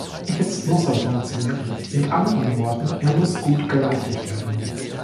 Jetzt muss er funktionieren, mit anderen Worten, er muss gut geleitet werden.